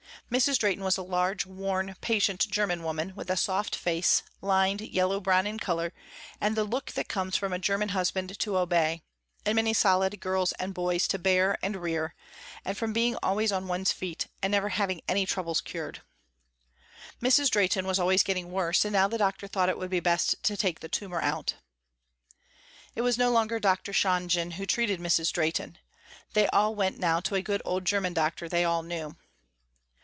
Mrs. Drehten was a large, worn, patient german woman, with a soft face, lined, yellow brown in color and the look that comes from a german husband to obey, and many solid girls and boys to bear and rear, and from being always on one's feet and never having any troubles cured. Mrs. Drehten was always getting worse, and now the doctor thought it would be best to take the tumor out. It was no longer Dr. Shonjen who treated Mrs. Drehten. They all went now to a good old german doctor they all knew.